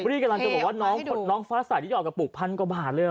รี่กำลังจะบอกว่าน้องฟ้าสายนี้หอกกระปุกพันกว่าบาทเลย